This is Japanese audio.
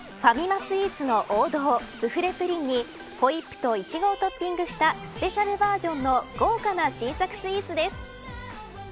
スイーツの王道スフレプリンにホイップといちごをトッピングしたスペシャルバージョンの豪華な新作スイーツです。